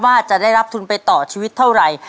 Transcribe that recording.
ว่าจะได้รับทุนไปต่อชีวิตเท่าไหร่